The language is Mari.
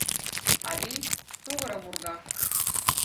Авий тувырым урга